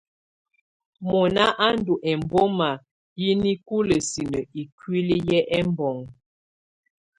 Mɔna á ndù ɛmbɔma yǝ nikulǝ sinǝ ikuili yɛ ɛbɔŋɔ.